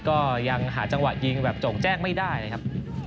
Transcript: ก็ยังหาจังหวะยิงแบบโจ่งแจ้งไม่ได้นะครับ